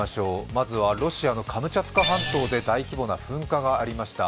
まずロシアのカムチャツカ半島で大規模な噴火がありました。